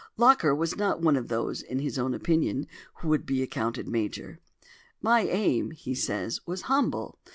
Locker was not of those, in his own opinion, who would be accounted major. "My aim," he says, "was humble.